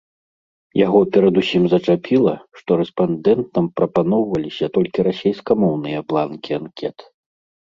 Яго перадусім зачапіла, што рэспандэнтам прапаноўваліся толькі расейскамоўныя бланкі анкет.